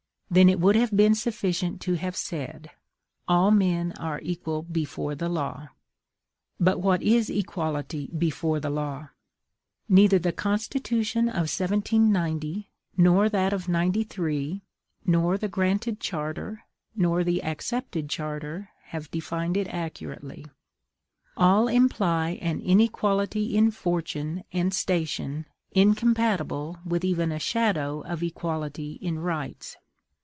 Then it would have been sufficient to have said: ALL MEN ARE EQUAL BEFORE THE LAW. But what is equality before the law? Neither the constitution of 1790, nor that of '93, nor the granted charter, nor the accepted charter, have defined it accurately. All imply an inequality in fortune and station incompatible with even a shadow of equality in rights.